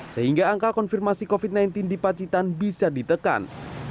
sehingga angka konfirmasi covid sembilan belas di pacitan bisa ditekan